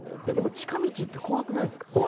でも近道って怖くないですか？